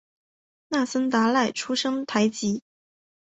那森达赖出身台吉。